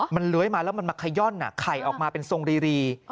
มันเลื้อยมาแล้วมันมาขย่อนไข่ออกมาเป็นทรงรี